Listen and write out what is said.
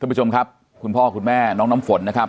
คุณผู้ชมครับคุณพ่อคุณแม่น้องน้ำฝนนะครับ